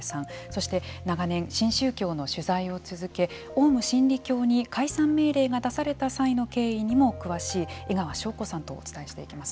そして、長年新宗教の取材を続けオウム真理教に解散命令が出された際の経緯にも詳しい江川紹子さんとお伝えしていきます。